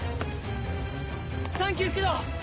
サンキュー九堂！